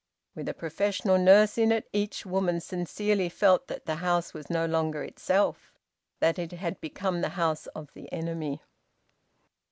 With a professional nurse in it, each woman sincerely felt that the house was no longer itself, that it had become the house of the enemy.